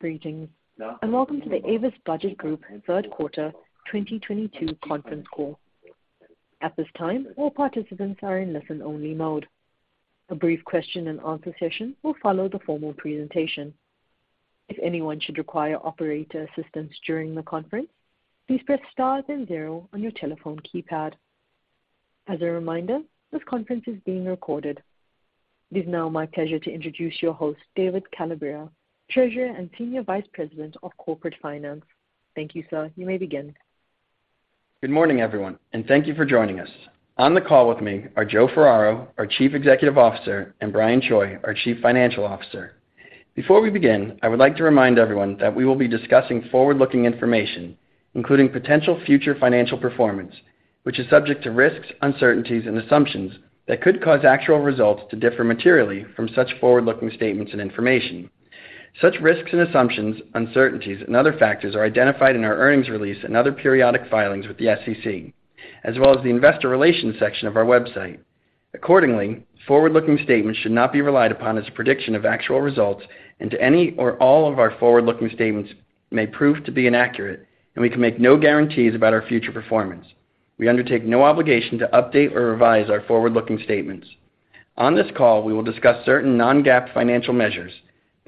Greetings, and welcome to the Avis Budget Group third quarter 2022 Conference Call. At this time, all participants are in listen-only mode. A brief question and answer session will follow the formal presentation. If anyone should require operator assistance during the conference, please press star then zero on your telephone keypad. As a reminder, this conference is being recorded. It is now my pleasure to introduce your host, David Calabria, Treasurer and Senior Vice President of Corporate Finance. Thank you, sir. You may begin. Good morning, everyone, and thank you for joining us. On the call with me are Joe Ferraro, our Chief Executive Officer, and Brian Choi, our Chief Financial Officer. Before we begin, I would like to remind everyone that we will be discussing forward-looking information, including potential future financial performance, which is subject to risks, uncertainties and assumptions that could cause actual results to differ materially from such forward-looking statements and information. Such risks and assumptions, uncertainties and other factors are identified in our earnings release and other periodic filings with the SEC, as well as the investor relations section of our website. Accordingly, forward-looking statements should not be relied upon as a prediction of actual results, and to any or all of our forward-looking statements may prove to be inaccurate, and we can make no guarantees about our future performance. We undertake no obligation to update or revise our forward-looking statements. On this call, we will discuss certain non-GAAP financial measures.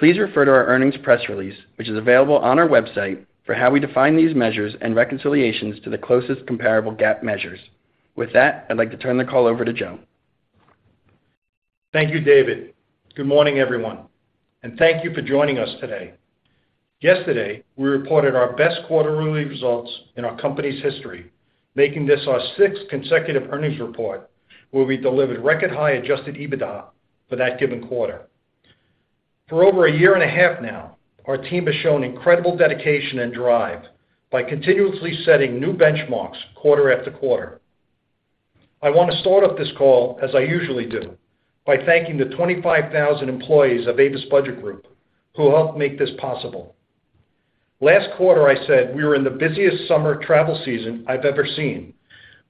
Please refer to our earnings press release, which is available on our website for how we define these measures and reconciliations to the closest comparable GAAP measures. With that, I'd like to turn the call over to Joe. Thank you, David. Good morning, everyone, and thank you for joining us today. Yesterday, we reported our best quarterly results in our company's history, making this our sixth consecutive earnings report, where we delivered record high Adjusted EBITDA for that given quarter. For over a year and a half now, our team has shown incredible dedication and drive by continuously setting new benchmarks quarter after quarter. I wanna start off this call as I usually do, by thanking the 25,000 employees of Avis Budget Group who helped make this possible. Last quarter, I said we were in the busiest summer travel season I've ever seen,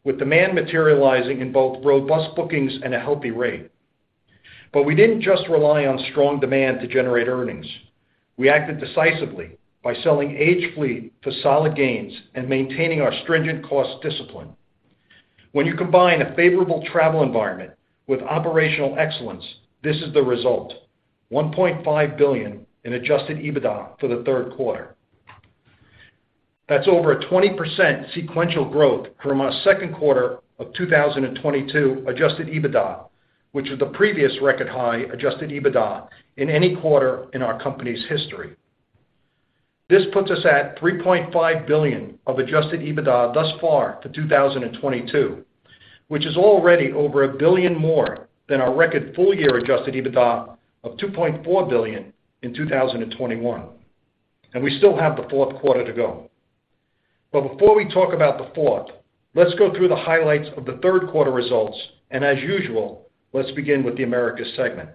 with demand materializing in both robust bookings and a healthy rate. We didn't just rely on strong demand to generate earnings. We acted decisively by selling aged fleet for solid gains and maintaining our stringent cost discipline. When you combine a favorable travel environment with operational excellence, this is the result, $1.5 billion in Adjusted EBITDA for the third quarter. That's over 20% sequential growth from our second quarter of 2022 Adjusted EBITDA, which is the previous record high Adjusted EBITDA in any quarter in our company's history. This puts us at $3.5 billion of Adjusted EBITDA thus far to 2022, which is already over $1 billion more than our record full year Adjusted EBITDA of $2.4 billion in 2021, and we still have the fourth quarter to go. Before we talk about the fourth, let's go through the highlights of the third quarter results, and as usual, let's begin with the Americas segment.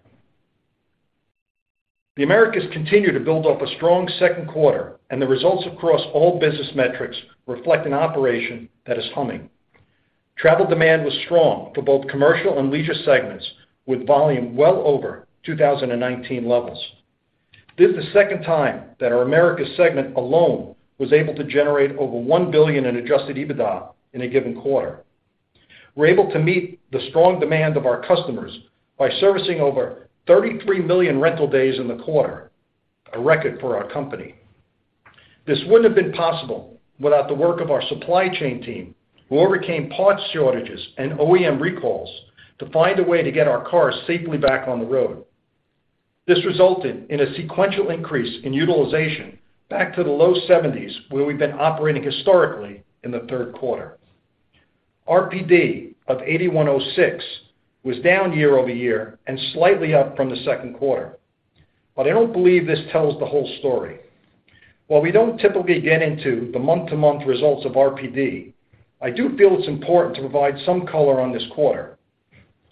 The Americas continued to build off a strong second quarter, and the results across all business metrics reflect an operation that is humming. Travel demand was strong for both commercial and leisure segments with volume well over 2019 levels. This is the second time that our Americas segment alone was able to generate over $1 billion in Adjusted EBITDA in a given quarter. We're able to meet the strong demand of our customers by servicing over 33 million rental days in the quarter, a record for our company. This wouldn't have been possible without the work of our supply chain team, who overcame parts shortages and OEM recalls to find a way to get our cars safely back on the road. This resulted in a sequential increase in utilization back to the low 70s%, where we've been operating historically in the third quarter. RPD of $81.06 was down year-over-year and slightly up from the second quarter, but I don't believe this tells the whole story. While we don't typically get into the month-to-month results of RPD, I do feel it's important to provide some color on this quarter.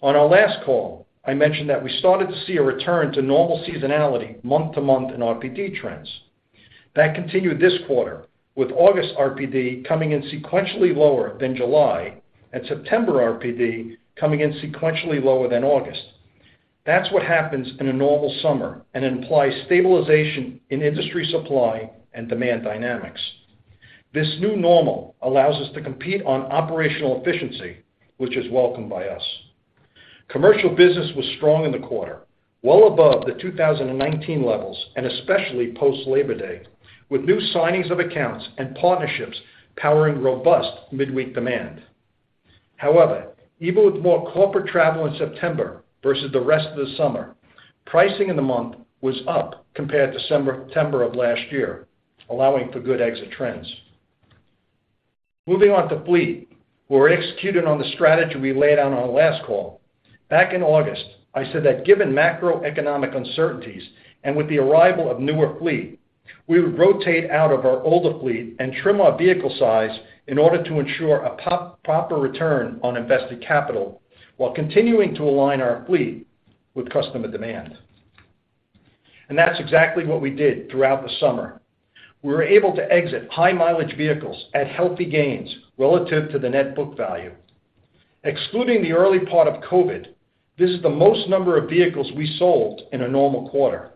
On our last call, I mentioned that we started to see a return to normal seasonality month-to-month in RPD trends. That continued this quarter, with August RPD coming in sequentially lower than July and September RPD coming in sequentially lower than August. That's what happens in a normal summer and implies stabilization in industry supply and demand dynamics. This new normal allows us to compete on operational efficiency, which is welcomed by us. Commercial business was strong in the quarter, well above the 2019 levels and especially post Labor Day, with new signings of accounts and partnerships powering robust midweek demand. However, even with more corporate travel in September versus the rest of the summer, pricing in the month was up compared to September of last year, allowing for good exit trends. Moving on to fleet, we executed on the strategy we laid out on our last call. Back in August, I said that given macroeconomic uncertainties and with the arrival of newer fleet, we would rotate out of our older fleet and trim our vehicle size in order to ensure a proper return on invested capital while continuing to align our fleet with customer demand. That's exactly what we did throughout the summer. We were able to exit high-mileage vehicles at healthy gains relative to the net book value. Excluding the early part of COVID, this is the most number of vehicles we sold in a normal quarter.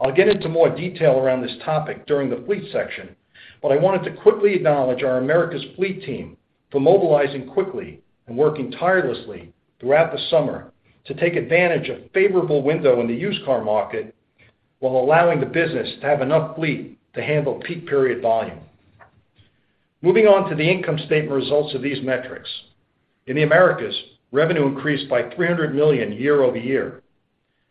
I'll get into more detail around this topic during the fleet section, but I wanted to quickly acknowledge our Americas fleet team for mobilizing quickly and working tirelessly throughout the summer to take advantage of favorable window in the used car market while allowing the business to have enough fleet to handle peak period volume. Moving on to the income statement results of these metrics. In the Americas, revenue increased by $300 million year-over-year.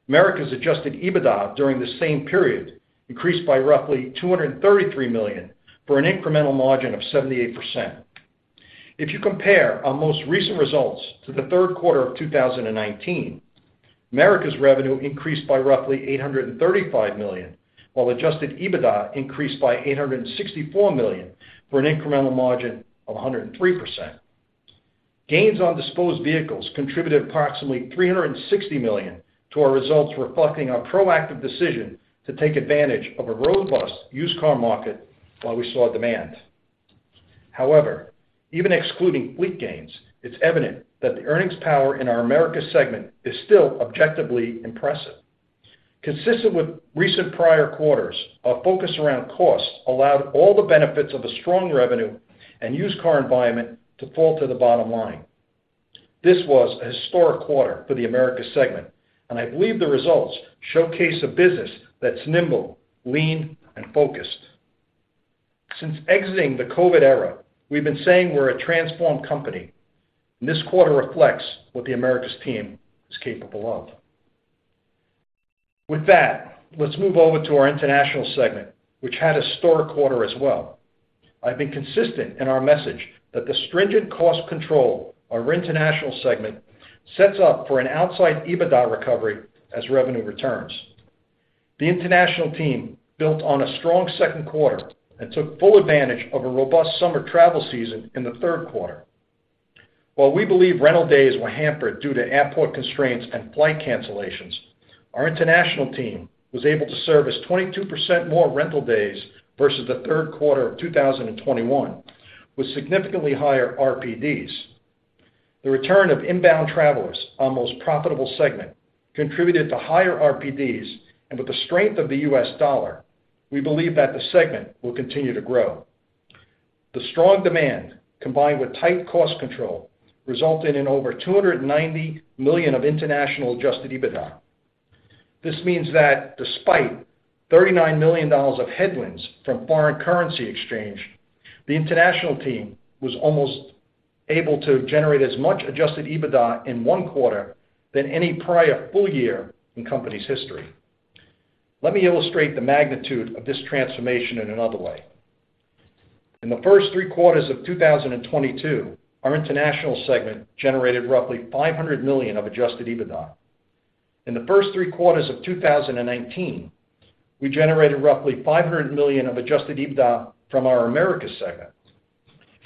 Americas Adjusted EBITDA during the same period increased by roughly $233 million for an incremental margin of 78%. If you compare our most recent results to the third quarter of 2019, Americas revenue increased by roughly $835 million, while Adjusted EBITDA increased by $864 million for an incremental margin of 103%. Gains on disposed vehicles contributed approximately $360 million to our results, reflecting our proactive decision to take advantage of a robust used car market while we saw demand. However, even excluding fleet gains, it's evident that the earnings power in our America segment is still objectively impressive. Consistent with recent prior quarters, our focus around costs allowed all the benefits of a strong revenue and used car environment to fall to the bottom line. This was a historic quarter for the America segment, and I believe the results showcase a business that's nimble, lean, and focused. Since exiting the COVID era, we've been saying we're a transformed company, and this quarter reflects what the Americas team is capable of. With that, let's move over to our international segment, which had a historic quarter as well. I've been consistent in our message that the stringent cost control our international segment sets up for an outsized EBITDA recovery as revenue returns. The international team built on a strong second quarter and took full advantage of a robust summer travel season in the third quarter. While we believe rental days were hampered due to airport constraints and flight cancellations, our international team was able to service 22% more rental days versus the third quarter of 2021, with significantly higher RPDs. The return of inbound travelers, our most profitable segment, contributed to higher RPDs, and with the strength of the US dollar, we believe that the segment will continue to grow. The strong demand, combined with tight cost control, resulted in over $290 million of international Adjusted EBITDA. This means that despite $39 million of headwinds from foreign currency exchange, the international team was almost able to generate as much Adjusted EBITDA in one quarter than any prior full year in company's history. Let me illustrate the magnitude of this transformation in another way. In the first three quarters of 2022, our international segment generated roughly $500 million of Adjusted EBITDA. In the first three quarters of 2019, we generated roughly $500 million of Adjusted EBITDA from our Americas segment.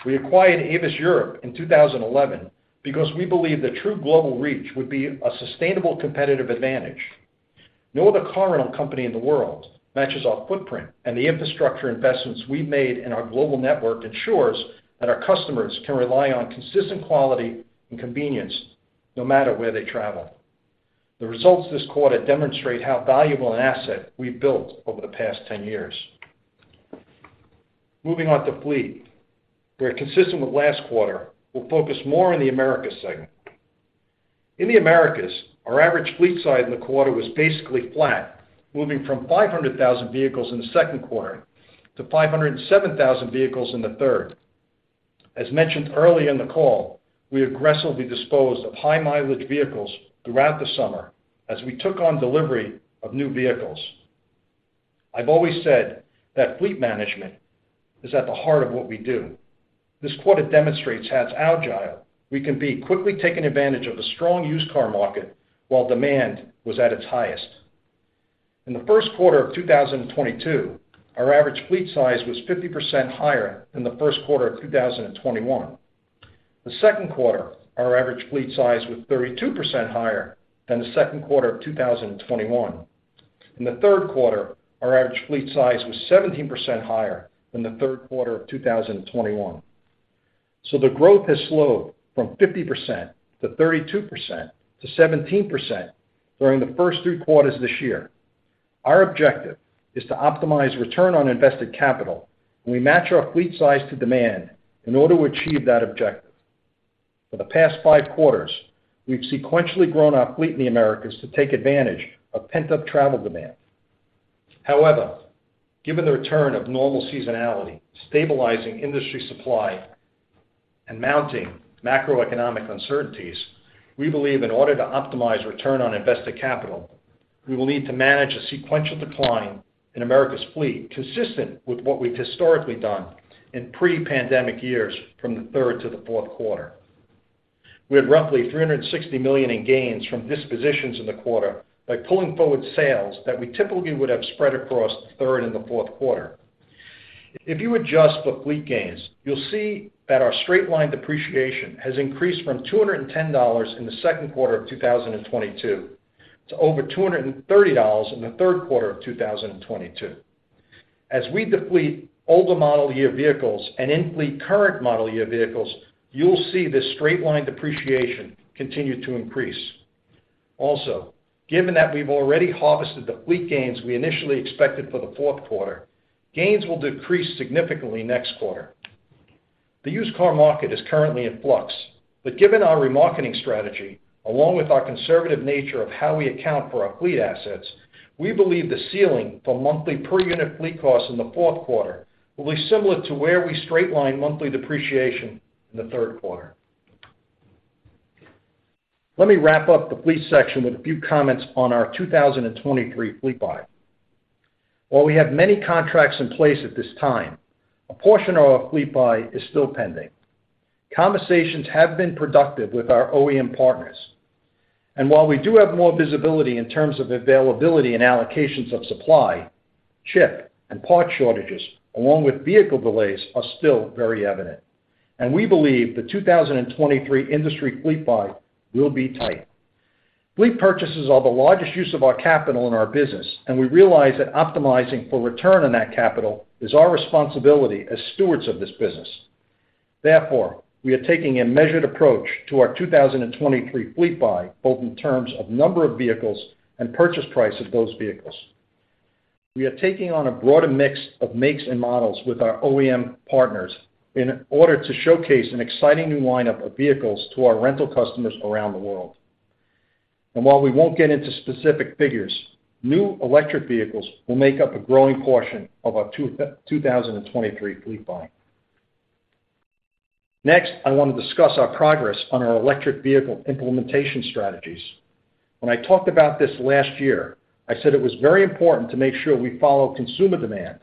We acquired Avis Europe in 2011 because we believe the true global reach would be a sustainable competitive advantage. No other car rental company in the world matches our footprint and the infrastructure investments we made in our global network ensures that our customers can rely on consistent quality and convenience no matter where they travel. The results this quarter demonstrate how valuable an asset we built over the past 10 years. Moving on to fleet, where consistent with last quarter, we'll focus more on the Americas segment. In the Americas, our average fleet size in the quarter was basically flat, moving from 500,000 vehicles in the second quarter to 507,000 vehicles in the third. As mentioned early in the call, we aggressively disposed of high-mileage vehicles throughout the summer as we took on delivery of new vehicles. I've always said that fleet management is at the heart of what we do. This quarter demonstrates how agile we can be quickly taking advantage of a strong used car market while demand was at its highest. In the first quarter of 2022, our average fleet size was 50% higher than the first quarter of 2021. The second quarter, our average fleet size was 32% higher than the second quarter of 2021. In the third quarter, our average fleet size was 17% higher than the third quarter of 2021. The growth has slowed from 50% to 32% to 17% during the first three quarters this year. Our objective is to optimize return on invested capital, and we match our fleet size to demand in order to achieve that objective. For the past five quarters, we've sequentially grown our fleet in the Americas to take advantage of pent-up travel demand. However, given the return of normal seasonality, stabilizing industry supply, and mounting macroeconomic uncertainties, we believe in order to optimize return on invested capital, we will need to manage a sequential decline in Americas fleet, consistent with what we've historically done in pre-pandemic years from the third to the fourth quarter. We had roughly $360 million in gains from dispositions in the quarter by pulling forward sales that we typically would have spread across third and the fourth quarter. If you adjust for fleet gains, you'll see that our straight-line depreciation has increased from $210 in the second quarter of 2022 to over $230 in the third quarter of 2022. As we deplete older model year vehicles and in fleet current model year vehicles, you'll see this straight-line depreciation continue to increase. Also, given that we've already harvested the fleet gains we initially expected for the fourth quarter, gains will decrease significantly next quarter. The used car market is currently in flux, but given our remarketing strategy, along with our conservative nature of how we account for our fleet assets, we believe the ceiling for monthly per unit fleet costs in the fourth quarter will be similar to where we straight-line monthly depreciation in the third quarter. Let me wrap up the fleet section with a few comments on our 2023 fleet buy. While we have many contracts in place at this time, a portion of our fleet buy is still pending. Conversations have been productive with our OEM partners, and while we do have more visibility in terms of availability and allocations of supply, chip and part shortages along with vehicle delays are still very evident, and we believe the 2023 industry fleet buy will be tight. Fleet purchases are the largest use of our capital in our business, and we realize that optimizing for return on that capital is our responsibility as stewards of this business. Therefore, we are taking a measured approach to our 2023 fleet buy, both in terms of number of vehicles and purchase price of those vehicles. We are taking on a broader mix of makes and models with our OEM partners in order to showcase an exciting new lineup of vehicles to our rental customers around the world. While we won't get into specific figures, new electric vehicles will make up a growing portion of our 2023 fleet buy. Next, I wanna discuss our progress on our electric vehicle implementation strategies. When I talked about this last year, I said it was very important to make sure we follow consumer demand,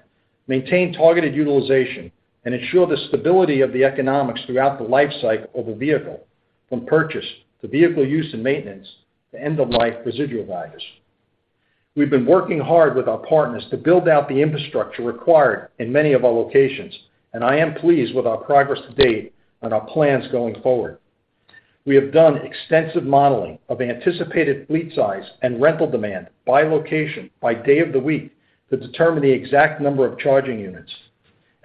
maintain targeted utilization, and ensure the stability of the economics throughout the life cycle of a vehicle from purchase to vehicle use and maintenance to end of life residual values. We've been working hard with our partners to build out the infrastructure required in many of our locations, and I am pleased with our progress to date on our plans going forward. We have done extensive modeling of anticipated fleet size and rental demand by location by day of the week to determine the exact number of charging units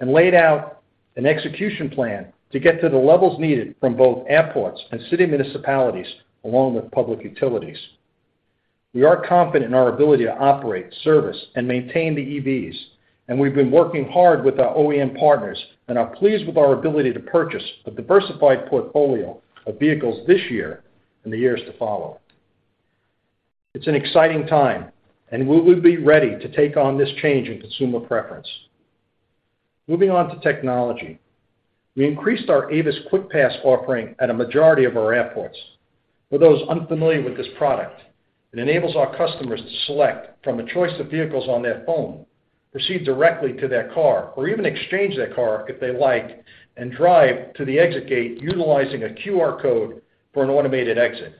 and laid out an execution plan to get to the levels needed from both airports and city municipalities along with public utilities. We are confident in our ability to operate, service, and maintain the EVs, and we've been working hard with our OEM partners and are pleased with our ability to purchase a diversified portfolio of vehicles this year and the years to follow. It's an exciting time, and we will be ready to take on this change in consumer preference. Moving on to technology. We increased our Avis QuickPass offering at a majority of our airports. For those unfamiliar with this product, it enables our customers to select from a choice of vehicles on their phone, proceed directly to their car, or even exchange their car if they like, and drive to the exit gate utilizing a QR code for an automated exit.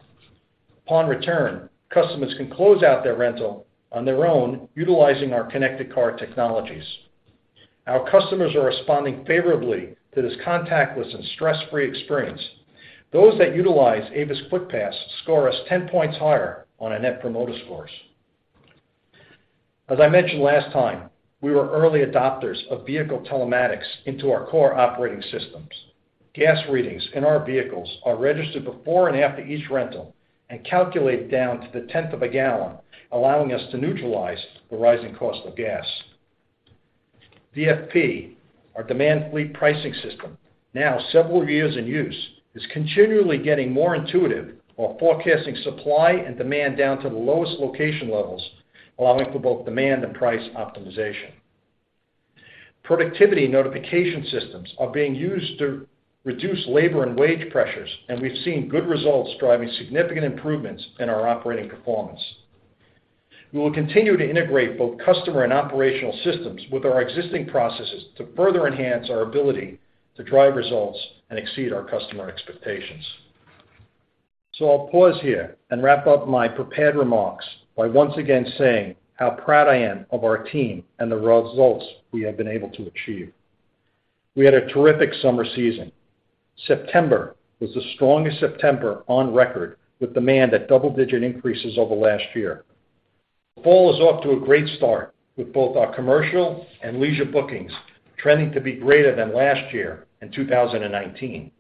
Upon return, customers can close out their rental on their own utilizing our connected car technologies. Our customers are responding favorably to this contactless and stress-free experience. Those that utilize Avis QuickPass score us 10 points higher on our Net Promoter scores. As I mentioned last time, we were early adopters of vehicle telematics into our core operating systems. Gas readings in our vehicles are registered before and after each rental and calculate down to the tenth of a gallon, allowing us to neutralize the rising cost of gas. DFP, our Demand Fleet Pricing system, now several years in use, is continually getting more intuitive while forecasting supply and demand down to the lowest location levels, allowing for both demand and price optimization. Productivity notification systems are being used to reduce labor and wage pressures, and we've seen good results driving significant improvements in our operating performance. We will continue to integrate both customer and operational systems with our existing processes to further enhance our ability to drive results and exceed our customer expectations. I'll pause here and wrap up my prepared remarks by once again saying how proud I am of our team and the results we have been able to achieve. We had a terrific summer season. September was the strongest September on record with demand at double-digit increases over last year. Fall is off to a great start with both our commercial and leisure bookings trending to be greater than last year in 2019,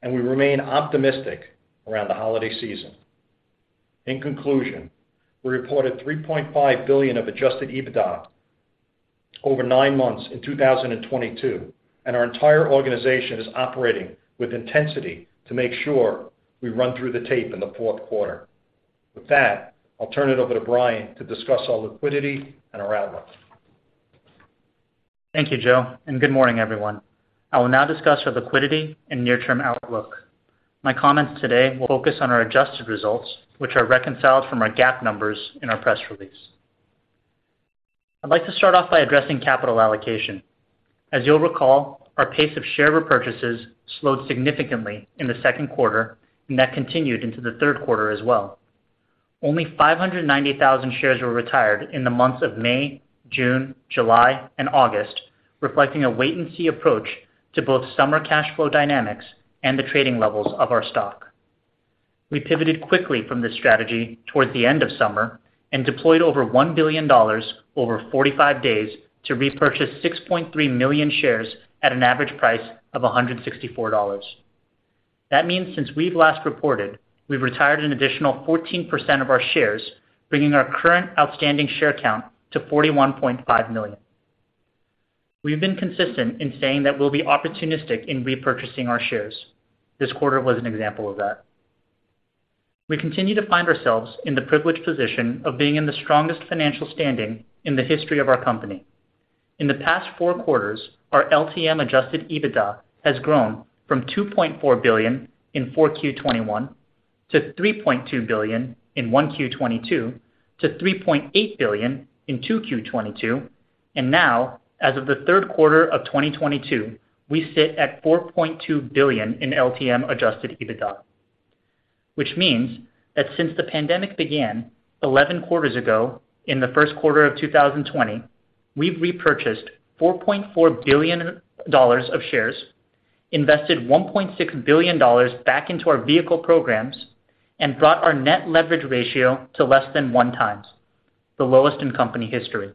and we remain optimistic around the holiday season. In conclusion, we reported $3.5 billion of Adjusted EBITDA over nine months in 2022, and our entire organization is operating with intensity to make sure we run through the tape in the fourth quarter. With that, I'll turn it over to Brian to discuss our liquidity and our outlook. Thank you, Joe, and good morning, everyone. I will now discuss our liquidity and near-term outlook. My comments today will focus on our adjusted results, which are reconciled from our GAAP numbers in our press release. I'd like to start off by addressing capital allocation. As you'll recall, our pace of share repurchases slowed significantly in the second quarter, and that continued into the third quarter as well. Only 590,000 shares were retired in the months of May, June, July, and August, reflecting a wait and see approach to both summer cash flow dynamics and the trading levels of our stock. We pivoted quickly from this strategy toward the end of summer and deployed over $1 billion over 45 days to repurchase 6.3 million shares at an average price of $164. That means since we've last reported, we've retired an additional 14% of our shares, bringing our current outstanding share count to 41.5 million. We've been consistent in saying that we'll be opportunistic in repurchasing our shares. This quarter was an example of that. We continue to find ourselves in the privileged position of being in the strongest financial standing in the history of our company. In the past four quarters, our LTM Adjusted EBITDA has grown from $2.4 billion in 4Q 2021, to $3.2 billion in 1Q 2022, to $3.8 billion in 2Q 2022, and now, as of the third quarter of 2022, we sit at $4.2 billion in LTM Adjusted EBITDA. Which means that since the pandemic began 11 quarters ago in the first quarter of 2020, we've repurchased $4.4 billion of shares, invested $1.6 billion back into our vehicle programs, and brought our net leverage ratio to less than 1x, the lowest in company history.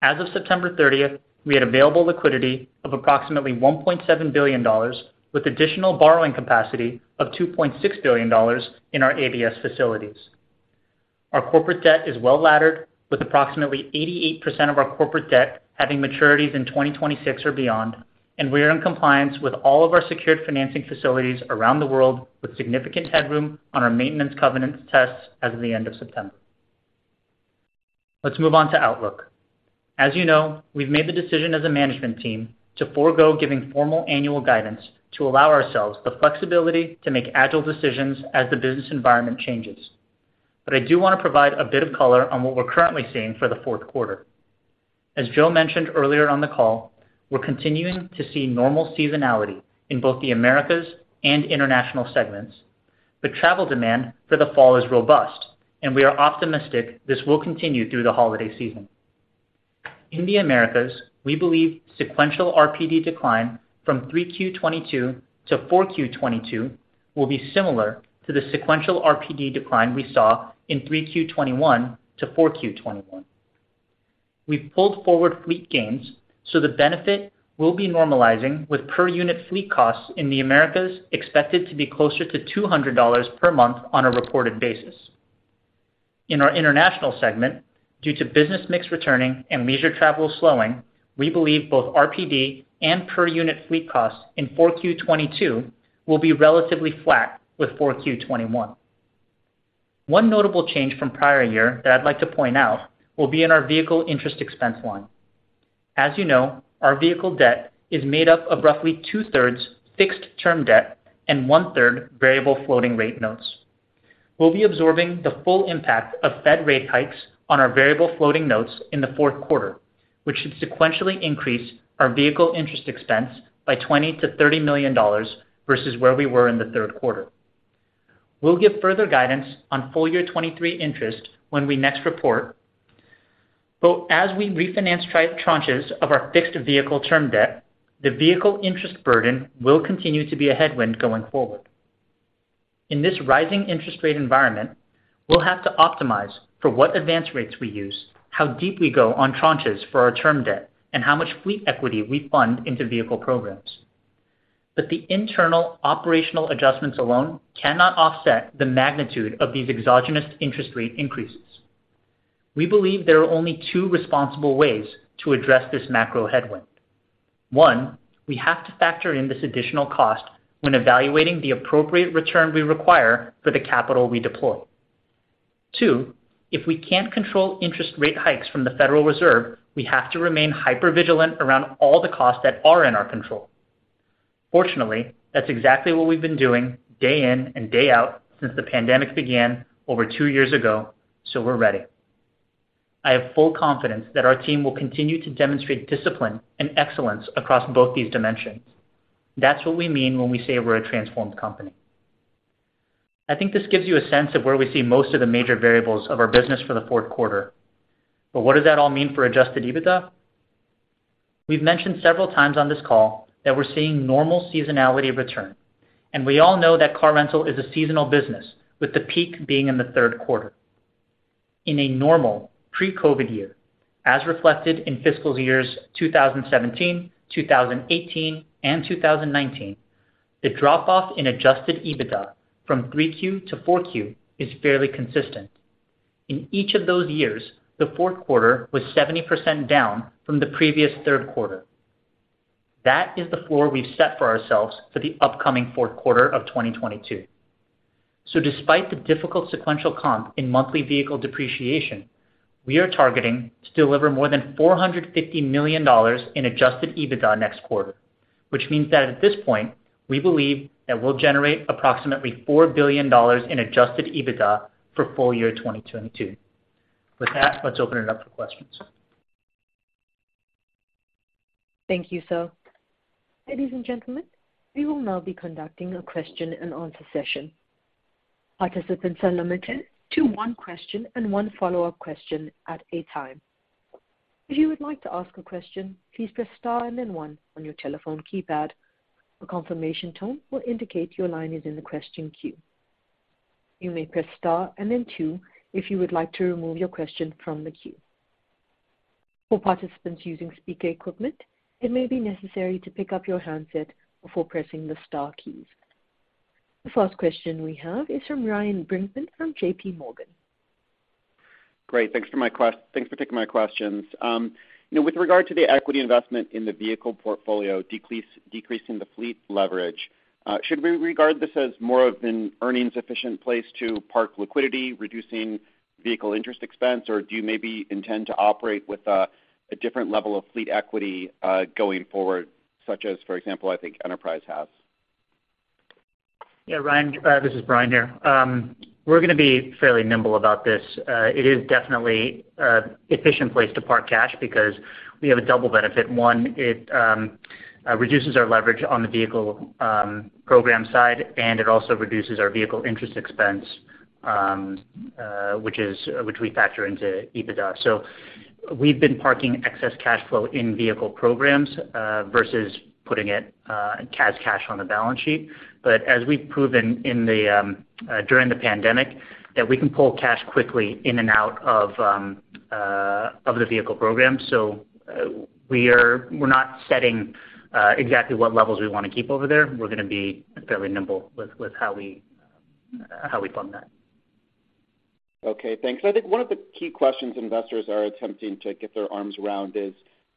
As of September 30th, we had available liquidity of approximately $1.7 billion, with additional borrowing capacity of $2.6 billion in our ABS facilities. Our corporate debt is well-laddered with approximately 88% of our corporate debt having maturities in 2026 or beyond, and we are in compliance with all of our secured financing facilities around the world with significant headroom on our maintenance covenant tests as of the end of September. Let's move on to outlook. As you know, we've made the decision as a management team to forgo giving formal annual guidance to allow ourselves the flexibility to make agile decisions as the business environment changes. I do wanna provide a bit of color on what we're currently seeing for the fourth quarter. As Joe mentioned earlier on the call, we're continuing to see normal seasonality in both the Americas and international segments. The travel demand for the fall is robust, and we are optimistic this will continue through the holiday season. In the Americas, we believe sequential RPD decline from 3Q 2022 to 4Q 2022 will be similar to the sequential RPD decline we saw in 3Q 2021 to 4Q 2021. We've pulled forward fleet gains, so the benefit will be normalizing with per unit fleet costs in the Americas expected to be closer to $200 per month on a reported basis. In our international segment, due to business mix returning and leisure travel slowing, we believe both RPD and per unit fleet costs in 4Q 2022 will be relatively flat with 4Q 2021. One notable change from prior year that I'd like to point out will be in our vehicle interest expense line. As you know, our vehicle debt is made up of roughly two-thirds fixed term debt and one-third variable floating rate notes. We'll be absorbing the full impact of Fed rate hikes on our variable floating notes in the fourth quarter, which should sequentially increase our vehicle interest expense by $20-$30 million versus where we were in the third quarter. We'll give further guidance on full year 2023 interest when we next report. As we refinance tranches of our fixed vehicle term debt, the vehicle interest burden will continue to be a headwind going forward. In this rising interest rate environment, we'll have to optimize for what advance rates we use, how deep we go on tranches for our term debt, and how much fleet equity we fund into vehicle programs. The internal operational adjustments alone cannot offset the magnitude of these exogenous interest rate increases. We believe there are only two responsible ways to address this macro headwind. One, we have to factor in this additional cost when evaluating the appropriate return we require for the capital we deploy. Two, if we can't control interest rate hikes from the Federal Reserve, we have to remain hypervigilant around all the costs that are in our control. Fortunately, that's exactly what we've been doing day in and day out since the pandemic began over two years ago, so we're ready. I have full confidence that our team will continue to demonstrate discipline and excellence across both these dimensions. That's what we mean when we say we're a transformed company. I think this gives you a sense of where we see most of the major variables of our business for the fourth quarter. What does that all mean for Adjusted EBITDA? We've mentioned several times on this call that we're seeing normal seasonality return, and we all know that car rental is a seasonal business with the peak being in the third quarter. In a normal pre-COVID year, as reflected in fiscal years 2017, 2018, and 2019, the drop off in Adjusted EBITDA from 3Q to 4Q is fairly consistent. In each of those years, the fourth quarter was 70% down from the previous third quarter. That is the floor we've set for ourselves for the upcoming fourth quarter of 2022. Despite the difficult sequential comp in monthly vehicle depreciation, we are targeting to deliver more than $450 million in Adjusted EBITDA next quarter, which means that at this point, we believe that we'll generate approximately $4 billion in Adjusted EBITDA for full year 2022. With that, let's open it up for questions. Thank you, sir. Ladies and gentlemen, we will now be conducting a question and answer session. Participants are limited to one question and one follow-up question at a time. If you would like to ask a question, please press star and then one on your telephone keypad. A confirmation tone will indicate your line is in the question queue. You may press star and then two if you would like to remove your question from the queue. For participants using speaker equipment, it may be necessary to pick up your handset before pressing the star keys. The first question we have is from Ryan Brinkman from JPMorgan Chase. Great. Thanks for taking my questions. You know, with regard to the equity investment in the vehicle portfolio decreasing the fleet leverage, should we regard this as more of an earnings efficient place to park liquidity, reducing vehicle interest expense, or do you maybe intend to operate with a different level of fleet equity going forward, such as, for example, I think Enterprise has? Yeah, Ryan, this is Brian here. We're gonna be fairly nimble about this. It is definitely an efficient place to park cash because we have a double benefit. One, it reduces our leverage on the vehicle program side, and it also reduces our vehicle interest expense, which we factor into EBITDA. So we've been parking excess cash flow in vehicle programs versus putting it as cash on the balance sheet. But as we've proven during the pandemic, that we can pull cash quickly in and out of the vehicle program. So we're not setting exactly what levels we wanna keep over there. We're gonna be fairly nimble with how we fund that. Okay, thanks. I think one of the key questions investors are attempting to get their arms around is,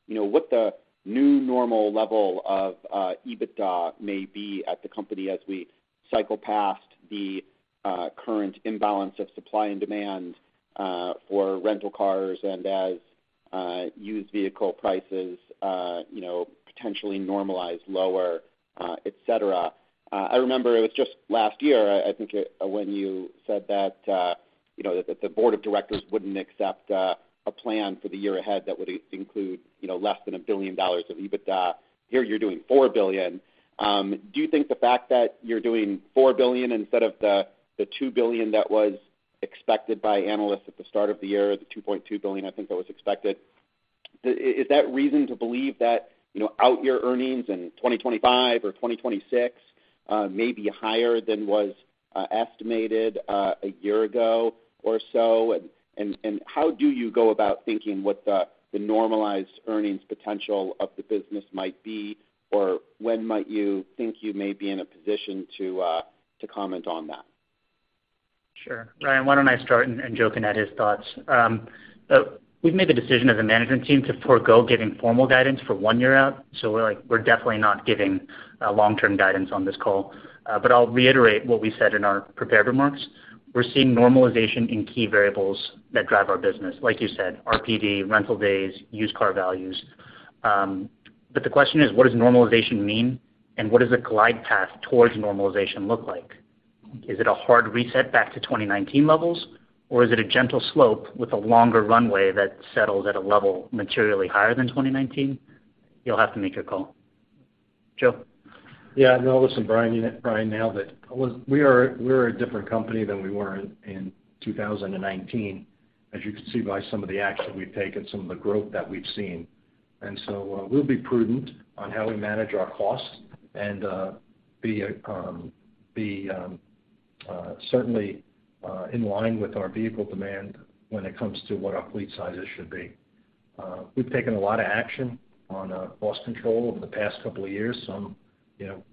you know, what the new normal level of EBITDA may be at the company as we cycle past the current imbalance of supply and demand for rental cars and as used vehicle prices, you know, potentially normalize lower, et cetera. I remember it was just last year when you said that, you know, that the board of directors wouldn't accept a plan for the year ahead that would include, you know, less than $1 billion of EBITDA. Here you're doing $4 billion. Do you think the fact that you're doing $4 billion instead of the $2 billion that was expected by analysts at the start of the year, the $2.2 billion, I think that was expected, is that reason to believe that, you know, out year earnings in 2025 or 2026 may be higher than was estimated a year ago or so? How do you go about thinking what the normalized earnings potential of the business might be, or when might you think you may be in a position to comment on that? Sure. Ryan, why don't I start and Joe can add his thoughts. We've made the decision as a management team to forego giving formal guidance for one year out, so we're like, we're definitely not giving long-term guidance on this call. But I'll reiterate what we said in our prepared remarks. We're seeing normalization in key variables that drive our business, like you said, RPD, rental days, used car values. But the question is, what does normalization mean, and what does a glide path towards normalization look like? Is it a hard reset back to 2019 levels, or is it a gentle slope with a longer runway that settles at a level materially higher than 2019? You'll have to make your call. Joe? Yeah, I'll listen to Brian. We're a different company than we were in 2019, as you can see by some of the action we've taken, some of the growth that we've seen. We'll be prudent on how we manage our costs and be certainly in line with our vehicle demand when it comes to what our fleet sizes should be. We've taken a lot of action on cost control over the past couple of years, some you know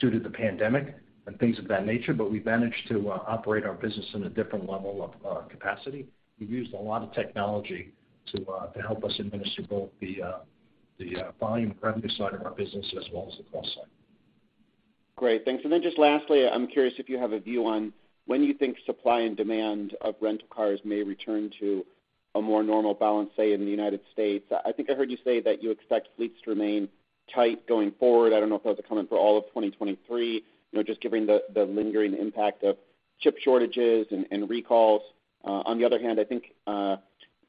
due to the pandemic and things of that nature, but we managed to operate our business in a different level of capacity. We've used a lot of technology to help us administer both the volume revenue side of our business as well as the cost side. Great. Thanks. Just lastly, I'm curious if you have a view on when you think supply and demand of rental cars may return to a more normal balance, say, in the United States. I think I heard you say that you expect fleets to remain tight going forward. I don't know if that was a comment for all of 2023, you know, just given the lingering impact of chip shortages and recalls. On the other hand, I think,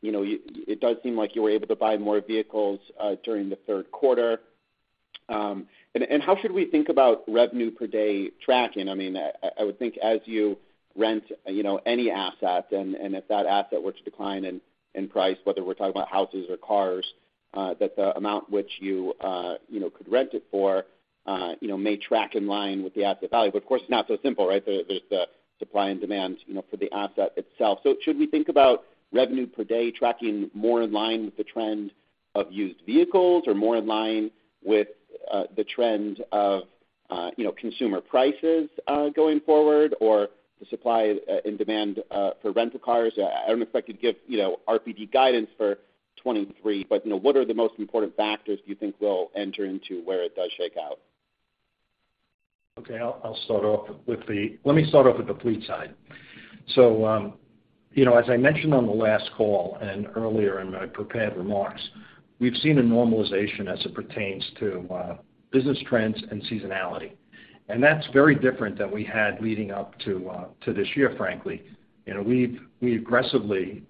you know, it does seem like you were able to buy more vehicles during the third quarter. How should we think about revenue per day tracking? I mean, I would think as you rent, you know, any asset and if that asset were to decline in price, whether we're talking about houses or cars, that the amount which you know, could rent it for, you know, may track in line with the asset value. But of course, it's not so simple, right? There's the supply and demand, you know, for the asset itself. Should we think about revenue per day tracking more in line with the trend of used vehicles or more in line with the trend of, you know, consumer prices going forward or the supply and demand for rental cars? I don't know if I could give, you know, RPD guidance for 2023, but, you know, what are the most important factors you think will enter into where it does shake out? Let me start off with the fleet side. You know, as I mentioned on the last call and earlier in my prepared remarks, we've seen a normalization as it pertains to business trends and seasonality, and that's very different than we had leading up to this year, frankly. You know, we aggressively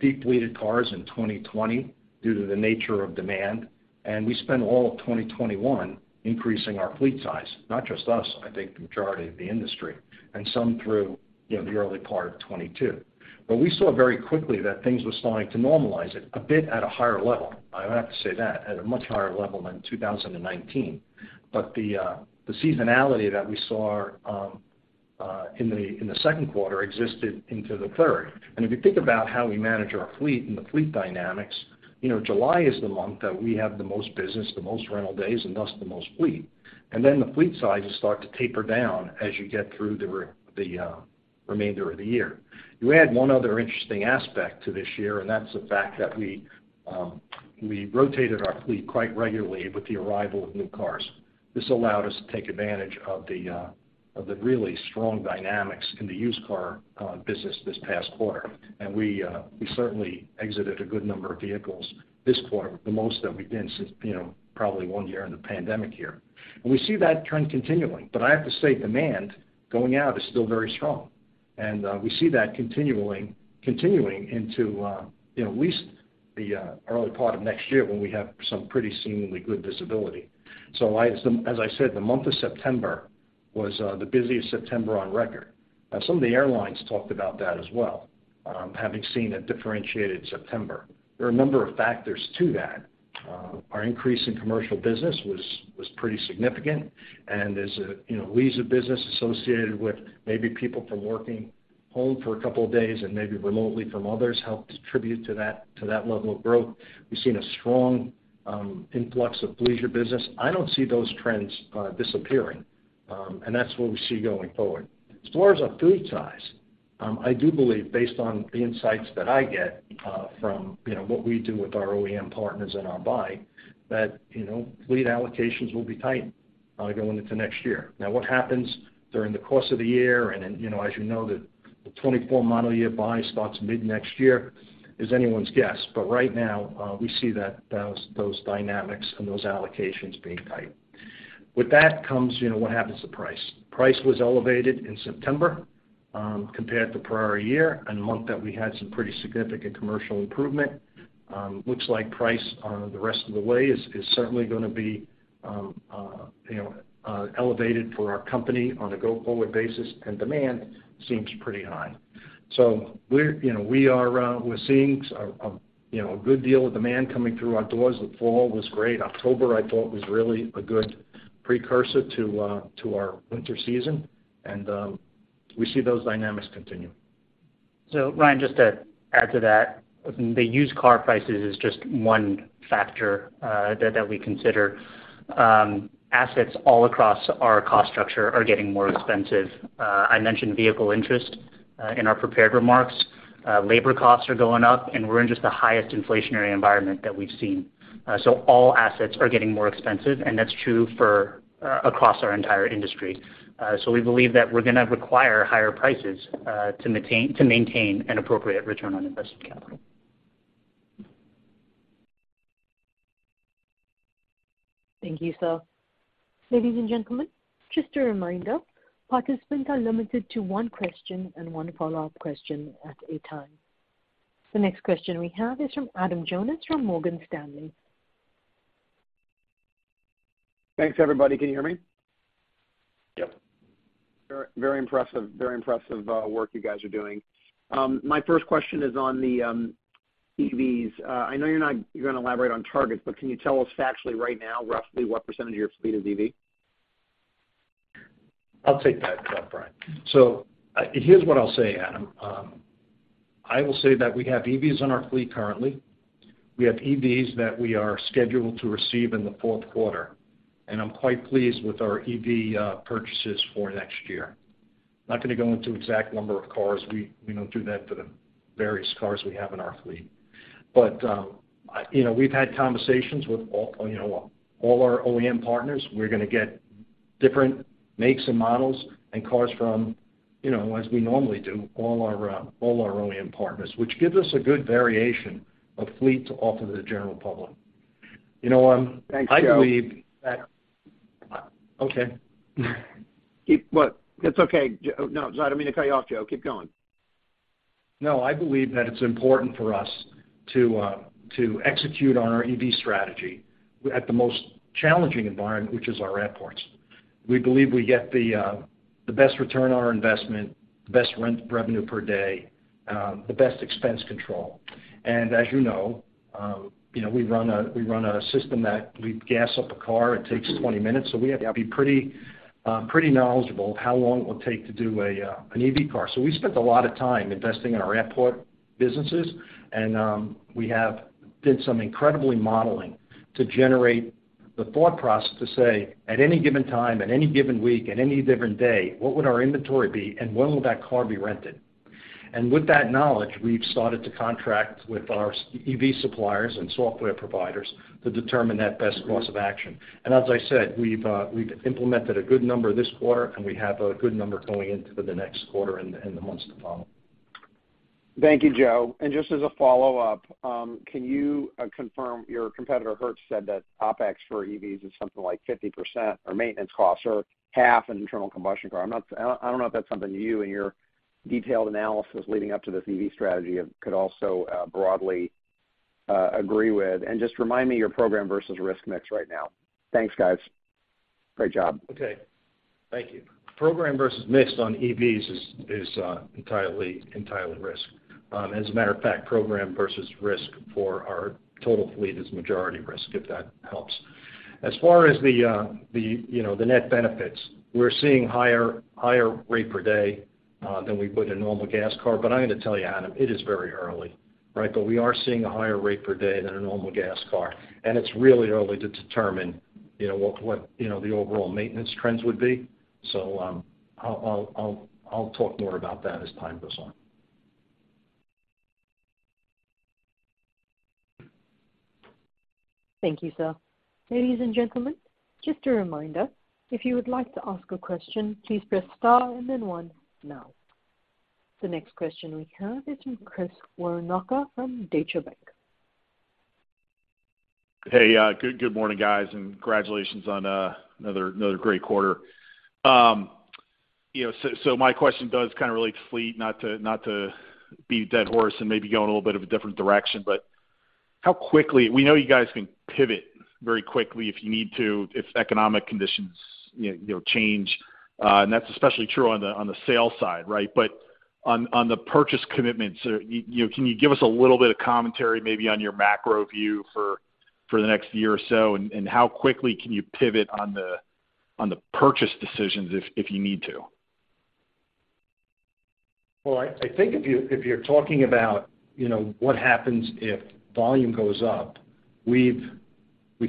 de-fleeted cars in 2020 due to the nature of demand, and we spent all of 2021 increasing our fleet size. Not just us, I think the majority of the industry. Some through, you know, the early part of 2022. We saw very quickly that things were starting to normalize it a bit at a higher level. I have to say that, at a much higher level than 2019. The seasonality that we saw in the second quarter existed into the third. If you think about how we manage our fleet and the fleet dynamics, you know, July is the month that we have the most business, the most rental days, and thus the most fleet. The fleet sizes start to taper down as you get through the remainder of the year. You add one other interesting aspect to this year, and that's the fact that we rotated our fleet quite regularly with the arrival of new cars. This allowed us to take advantage of the really strong dynamics in the used car business this past quarter. We certainly exited a good number of vehicles this quarter, the most that we've been since, you know, probably one year in the pandemic year. We see that trend continuing. I have to say demand going out is still very strong. We see that continuing into, you know, at least the early part of next year when we have some pretty seemingly good visibility. As I said, the month of September was the busiest September on record. Now some of the airlines talked about that as well, having seen a differentiated September. There are a number of factors to that. Our increase in commercial business was pretty significant, and as a result, you know, of business associated with maybe people working from home for a couple of days and maybe remotely from offices helped contribute to that level of growth. We've seen a strong influx of leisure business. I don't see those trends disappearing, and that's what we see going forward. As far as our fleet size, I do believe based on the insights that I get from what we do with our OEM partners and our buying that fleet allocations will be tight going into next year. Now what happens during the course of the year and then, you know, as you know, the 2024 model year buy starts mid next year is anyone's guess. Right now, we see those dynamics and those allocations being tight. With that comes, you know, what happens to price. Price was elevated in September compared to prior year and month that we had some pretty significant commercial improvement. Looks like price the rest of the way is certainly gonna be, you know, elevated for our company on a go-forward basis, and demand seems pretty high. We're, you know, we are seeing some, you know, a good deal of demand coming through our doors. The fall was great. October I thought was really a good precursor to our winter season, and we see those dynamics continuing. Ryan, just to add to that, the used car prices is just one factor that we consider. Assets all across our cost structure are getting more expensive. I mentioned vehicle interest in our prepared remarks. Labor costs are going up, and we're in just the highest inflationary environment that we've seen. All assets are getting more expensive, and that's true for across our entire industry. We believe that we're gonna require higher prices to maintain an appropriate return on invested capital. Thank you, sir. Ladies and gentlemen, just a reminder, participants are limited to one question and one follow-up question at a time. The next question we have is from Adam Jonas from Morgan Stanley. Thanks everybody. Can you hear me? Yep. Very impressive work you guys are doing. My first question is on the EVs. I know you're not gonna elaborate on targets, but can you tell us factually right now, roughly what percentage of your fleet is EV? I'll take that, Brian. Here's what I'll say, Adam. I will say that we have EVs on our fleet currently. We have EVs that we are scheduled to receive in the fourth quarter, and I'm quite pleased with our EV purchases for next year. Not gonna go into exact number of cars. We don't do that for the various cars we have in our fleet. You know, we've had conversations with all our OEM partners. We're gonna get different makes and models and cars from, you know, as we normally do, all our OEM partners, which gives us a good variation of fleet to offer the general public. You know, I believe that. Thanks, Joe. Okay. What? It's okay. No, I don't mean to cut you off, Joe. Keep going. No, I believe that it's important for us to execute on our EV strategy at the most challenging environment, which is our airports. We believe we get the best return on our investment, the best rent revenue per day, the best expense control. As you know, you know, we run a system that we gas up a car, it takes 20 minutes. We have to be pretty knowledgeable of how long it will take to do an EV car. We spent a lot of time investing in our airport businesses, and we have did some incredibly modeling to generate the thought process to say, at any given time, at any given week, at any different day, what would our inventory be and when will that car be rented? With that knowledge, we've started to contract with our EV suppliers and software providers to determine the best course of action. As I said, we've implemented a good number this quarter, and we have a good number going into the next quarter and the months to follow. Thank you, Joe. Just as a follow-up, can you confirm your competitor Hertz said that OPEX for EVs is something like 50% or maintenance costs or half an internal combustion car. I'm not. I don't know if that's something you and your detailed analysis leading up to this EV strategy could also broadly agree with. Just remind me your program versus risk mix right now. Thanks, guys. Great job. Okay. Thank you. Program versus risk on EVs is entirely risk. As a matter of fact, program versus risk for our total fleet is majority risk, if that helps. As far as the net benefits, we're seeing higher rate per day than we would in a normal gas car. I'm gonna tell you, Adam, it is very early, right? We are seeing a higher rate per day than a normal gas car, and it's really early to determine, you know, the overall maintenance trends would be. I'll talk more about that as time goes on. Thank you, sir. Ladies and gentlemen, just a reminder, if you would like to ask a question, please press star and then one now. The next question we have is from Chris Woronka from Deutsche Bank. Hey, good morning, guys, and congratulations on another great quarter. You know, so my question does kind of relate to fleet, not to beat a dead horse and maybe go in a little bit of a different direction. But how quickly we know you guys can pivot very quickly if you need to, if economic conditions, you know, change, and that's especially true on the sales side, right? But on the purchase commitments, you know, can you give us a little bit of commentary maybe on your macro view for the next year or so, and how quickly can you pivot on the purchase decisions if you need to? Well, I think if you're talking about, you know, what happens if volume goes up, we've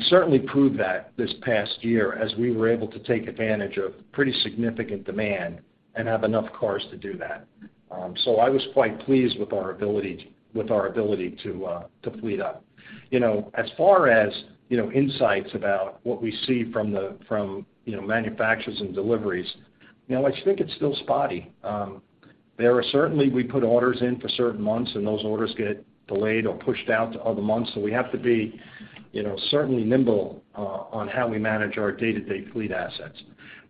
certainly proved that this past year as we were able to take advantage of pretty significant demand and have enough cars to do that. I was quite pleased with our ability to fleet up. You know, as far as, you know, insights about what we see from manufacturers and deliveries, you know, I think it's still spotty. We put orders in for certain months, and those orders get delayed or pushed out to other months, so we have to be, you know, certainly nimble on how we manage our day-to-day fleet assets.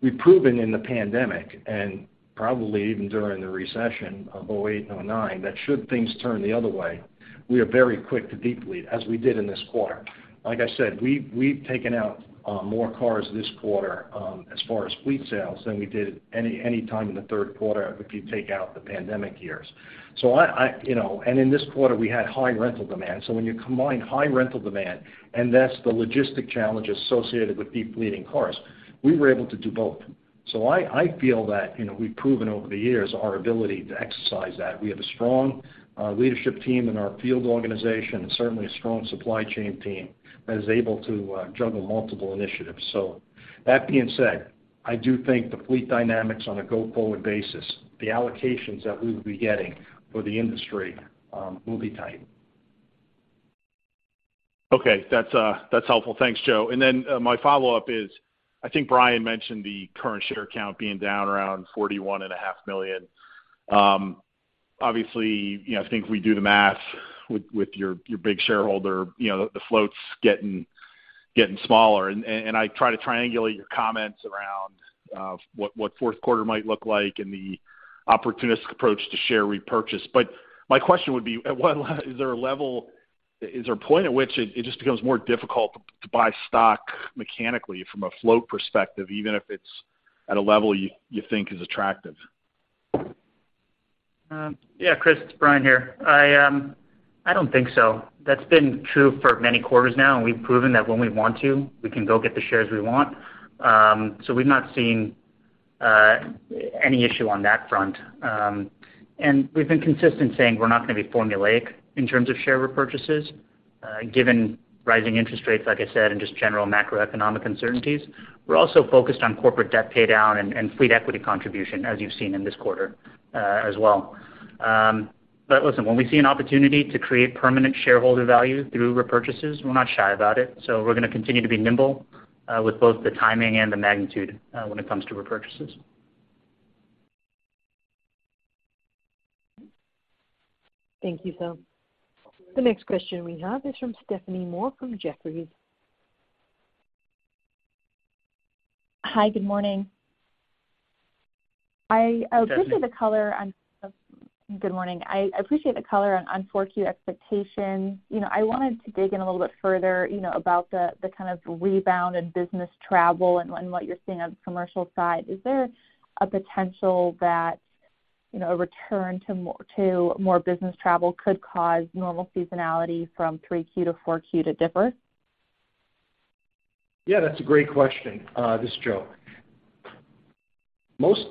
We've proven in the pandemic and probably even during the recession of 2008 and 2009 that should things turn the other way, we are very quick to de-fleet as we did in this quarter. Like I said, we've taken out more cars this quarter as far as fleet sales than we did any time in the third quarter if you take out the pandemic years. In this quarter, we had high rental demand. When you combine high rental demand and the logistical challenge associated with de-fleeting cars, we were able to do both. I feel that we've proven over the years our ability to exercise that. We have a strong leadership team in our field organization and certainly a strong supply chain team that is able to juggle multiple initiatives. That being said, I do think the fleet dynamics on a go-forward basis, the allocations that we will be getting for the industry, will be tight. Okay. That's helpful. Thanks, Joe. My follow-up is, I think Brian mentioned the current share count being down around 41.5 million. Obviously, you know, I think if we do the math with your big shareholder, you know, the float's getting smaller. I try to triangulate your comments around what fourth quarter might look like and the opportunistic approach to share repurchase. My question would be, at what level is there a point at which it just becomes more difficult to buy stock mechanically from a float perspective, even if it's at a level you think is attractive? Yeah, Chris, it's Brian here. I don't think so. That's been true for many quarters now, and we've proven that when we want to, we can go get the shares we want. We've not seen any issue on that front. We've been consistent saying we're not gonna be formulaic in terms of share repurchases, given rising interest rates, like I said, and just general macroeconomic uncertainties. We're also focused on corporate debt paydown and fleet equity contribution, as you've seen in this quarter, as well. Listen, when we see an opportunity to create permanent shareholder value through repurchases, we're not shy about it. We're gonna continue to be nimble with both the timing and the magnitude, when it comes to repurchases. Thank you, sir. The next question we have is from Stephanie Moore from Jefferies. Hi, good morning. Good morning. Good morning. I appreciate the color on 4Q expectations. You know, I wanted to dig in a little bit further, you know, about the kind of rebound in business travel and what you're seeing on the commercial side. Is there a potential that, you know, a return to more business travel could cause normal seasonality from 3Q to 4Q to differ? Yeah, that's a great question. This is Joe. Most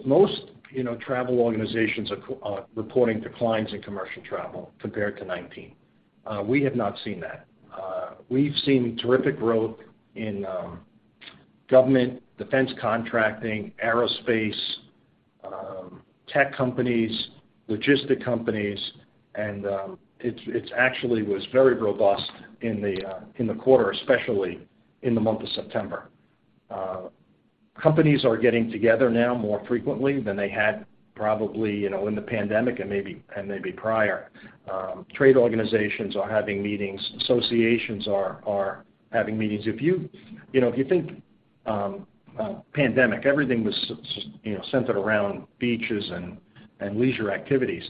you know, travel organizations are reporting declines in commercial travel compared to 2019. We have not seen that. We've seen terrific growth in government, defense contracting, aerospace, tech companies, logistic companies, and it's actually was very robust in the quarter, especially in the month of September. Companies are getting together now more frequently than they had probably you know, in the pandemic and maybe prior. Trade organizations are having meetings, associations are having meetings. If you know, if you think pandemic, everything was you know, centered around beaches and leisure activities.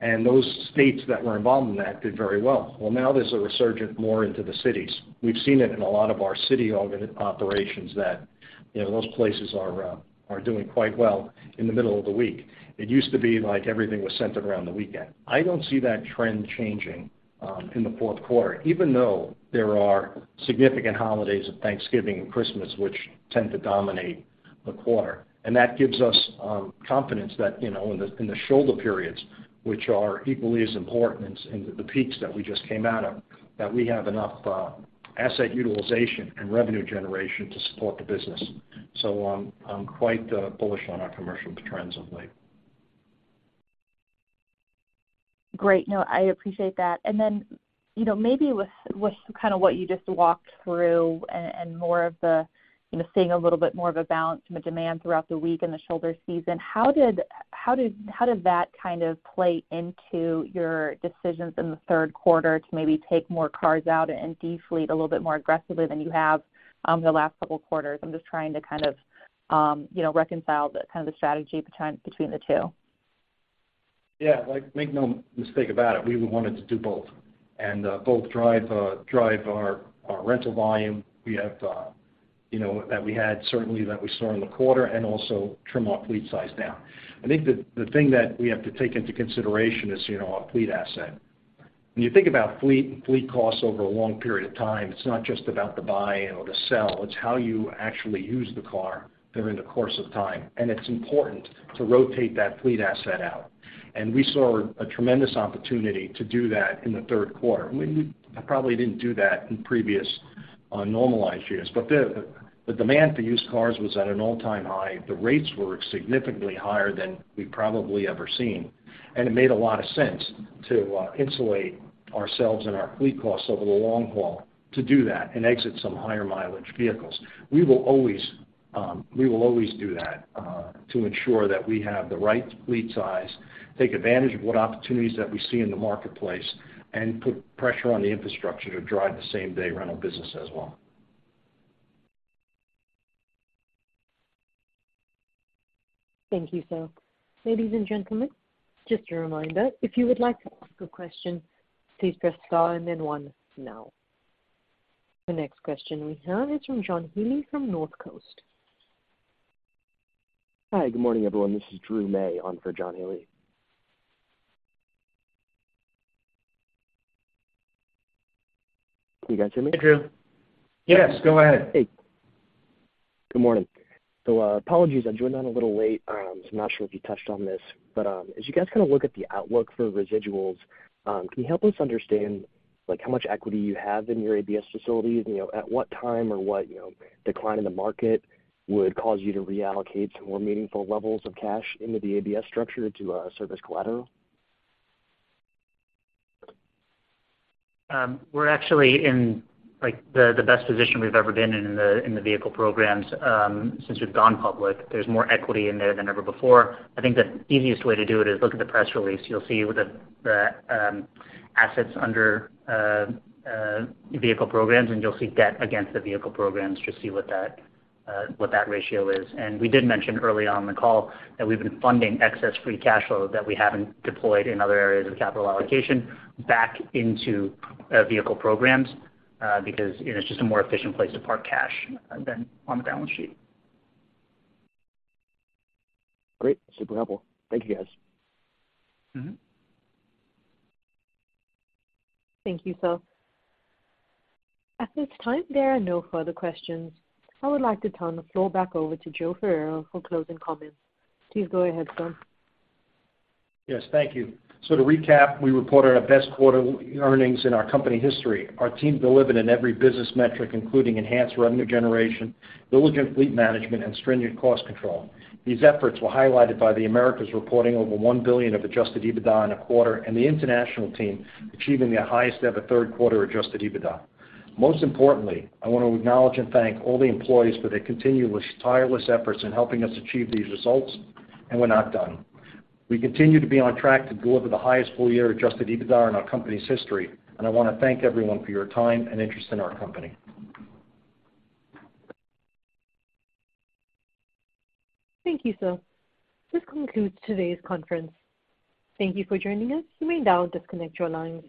Those states that were involved in that did very well. Well, now there's a resurgent more into the cities. We've seen it in a lot of our city-owned operations that, you know, those places are doing quite well in the middle of the week. It used to be like everything was centered around the weekend. I don't see that trend changing in the fourth quarter, even though there are significant holidays of Thanksgiving and Christmas, which tend to dominate the quarter. That gives us confidence that, you know, in the shoulder periods, which are equally as important as in the peaks that we just came out of, that we have enough asset utilization and revenue generation to support the business. I'm quite bullish on our commercial trends of late. Great. No, I appreciate that. Then, you know, maybe with kind of what you just walked through and more of the, you know, seeing a little bit more of a balance in the demand throughout the week in the shoulder season, how did that kind of play into your decisions in the third quarter to maybe take more cars out and defleet a little bit more aggressively than you have the last couple of quarters? I'm just trying to kind of, you know, reconcile the kind of the strategy between the two. Yeah. Like, make no mistake about it, we wanted to do both. Both drive our rental volume that we saw in the quarter and also trim our fleet size down. I think the thing that we have to take into consideration is our fleet asset. When you think about fleet and fleet costs over a long period of time, it's not just about the buy or the sell, it's how you actually use the car during the course of time. It's important to rotate that fleet asset out. We saw a tremendous opportunity to do that in the third quarter. We probably didn't do that in previous normalized years. But the demand for used cars was at an all-time high. The rates were significantly higher than we've probably ever seen. It made a lot of sense to insulate ourselves and our fleet costs over the long haul to do that and exit some higher mileage vehicles. We will always do that to ensure that we have the right fleet size, take advantage of what opportunities that we see in the marketplace, and put pressure on the infrastructure to drive the same-day rental business as well. Thank you, sir. Ladies and gentlemen, just a reminder, if you would like to ask a question, please press star and then one now. The next question we have is from John Healy from Northcoast Research. Hi, good morning, everyone. This is Drew Meyer on for John Healy. Can you guys hear me? Hey, Drew. Yes, go ahead. Hey. Good morning. Apologies, I joined on a little late, so I'm not sure if you touched on this. As you guys kind of look at the outlook for residuals, can you help us understand, like, how much equity you have in your ABS facilities? You know, at what time or what, you know, decline in the market would cause you to reallocate more meaningful levels of cash into the ABS structure to service collateral? We're actually in, like, the best position we've ever been in in the vehicle programs, since we've gone public. There's more equity in there than ever before. I think the easiest way to do it is look at the press release. You'll see the assets under vehicle programs, and you'll see debt against the vehicle programs to see what that ratio is. We did mention early on in the call that we've been funding excess free cash flow that we haven't deployed in other areas of capital allocation back into vehicle programs, because, you know, it's just a more efficient place to park cash than on the balance sheet. Great. Super helpful. Thank you, guys. Mm-hmm. Thank you, sir. At this time, there are no further questions. I would like to turn the floor back over to Joe Ferraro for closing comments. Please go ahead, sir. Yes, thank you. To recap, we reported our best quarterly earnings in our company history. Our team delivered in every business metric, including enhanced revenue generation, diligent fleet management, and stringent cost control. These efforts were highlighted by the Americas reporting over $1 billion of Adjusted EBITDA in a quarter, and the international team achieving their highest ever third quarter Adjusted EBITDA. Most importantly, I want to acknowledge and thank all the employees for their continuous tireless efforts in helping us achieve these results, and we're not done. We continue to be on track to deliver the highest full-year Adjusted EBITDA in our company's history, and I wanna thank everyone for your time and interest in our company. Thank you, sir. This concludes today's conference. Thank you for joining us. You may now disconnect your lines.